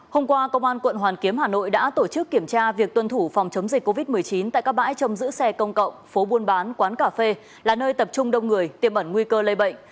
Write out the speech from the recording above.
hôm qua công an quận hoàn kiếm hà nội đã tổ chức kiểm tra việc tuân thủ phòng chống dịch covid một mươi chín tại các bãi trong giữ xe công cộng phố buôn bán quán cà phê là nơi tập trung đông người tiêm ẩn nguy cơ lây bệnh